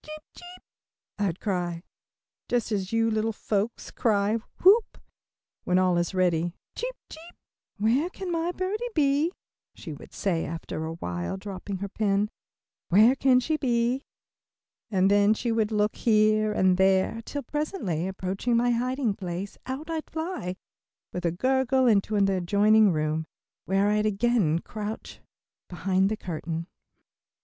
"Cheep, cheep," I'd cry, just as you little folks cry "whoop," when all is ready, "cheep, cheep." "Where can my birdie be?" she would say after awhile, dropping her pen. "Where can she be?" and then she would look here and there, till presently approaching my hiding place, out I'd fly, with a gurgle, into an adjoining room, where I'd again crouch behind the curtain.